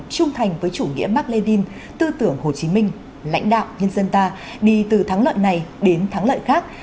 trung thành với chủ nghĩa mạc lê điên tư tưởng hồ chí minh lãnh đạo nhân dân ta đi từ thắng lợi này đến thắng lợi khác